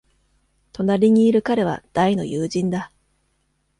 隣にいる彼は大の友人だ。